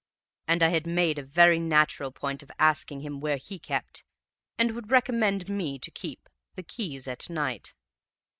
And I had made a very natural point of asking him where he kept, and would recommend me to keep, the keys at night.